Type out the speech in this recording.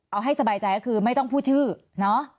เอาให้สบายใจก็คือไม่ต้องพูดชื่อเนาะ